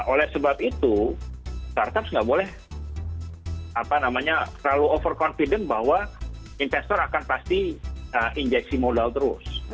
oleh sebab itu startups nggak boleh terlalu over confident bahwa investor akan pasti injeksi modal terus